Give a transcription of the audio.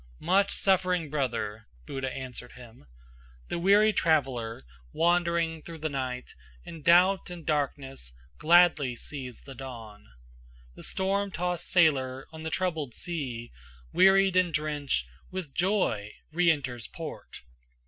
"Much suffering brother," Buddha answered him, "The weary traveler, wandering through the night In doubt and darkness, gladly sees the dawn. The storm tossed sailor on the troubled sea, Wearied and drenched, with joy re enters port.